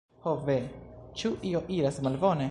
ho ve, ĉu io iras malbone?